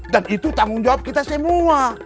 dan itu tanggung jawab kita semua